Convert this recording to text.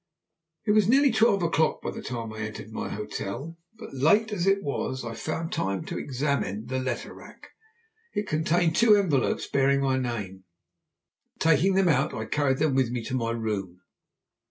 It was nearly twelve o'clock by the time I entered my hotel; but late as it was I found time to examine the letter rack. It contained two envelopes bearing my name, and taking them out I carried them with me to my room.